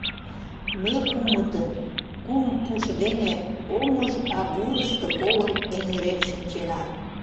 Ме кумытын кум пуш дене Омыж агурышто колым эҥырен шинчена.